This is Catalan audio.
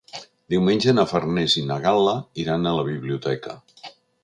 Diumenge na Farners i na Gal·la iran a la biblioteca.